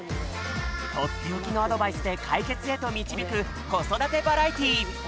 とっておきのアドバイスでかいけつへとみちびくこそだてバラエティー。